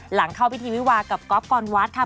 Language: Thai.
หลังเข้าพิธีวิวากับก๊อฟกรวัดค่ะ